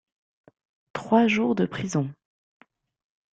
Trois jours de prison.